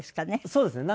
そうですね。